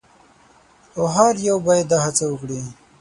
او هر یو باید دا هڅه وکړي.